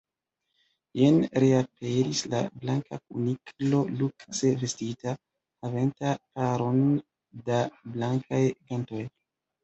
Jen reaperis la Blanka Kuniklo lukse vestita, havante paron da blankaj gantoj.